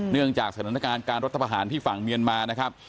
เนื่องจากศาลณ์การการรับตภาษาผงศาลที่ฝั่งเมียนมานะครับ